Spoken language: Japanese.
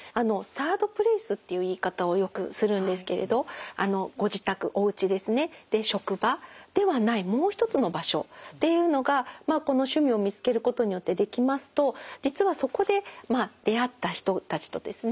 サード・プレイスっていう言い方をよくするんですけれどっていうのがこの趣味を見つけることによってできますと実はそこで出会った人たちとですね